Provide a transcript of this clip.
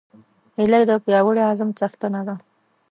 هیلۍ د پیاوړي عزم څښتنه ده